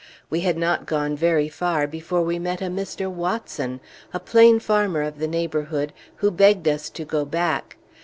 We had not gone very far before we met a Mr. Watson, a plain farmer of the neighborhood, who begged us to go back.